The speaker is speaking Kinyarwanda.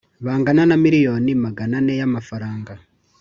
Bingana na miliyoni magana ane y amafaranga